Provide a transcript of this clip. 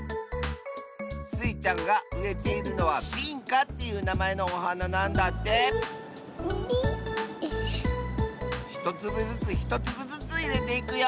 スイちゃんがうえているのは「ビンカ」っていうなまえのおはななんだってひとつぶずつひとつぶずついれていくよ。